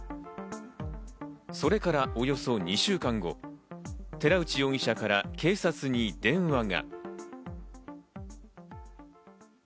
それからおよそ２週間後、寺内容疑者から警察に電話が。